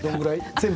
全部？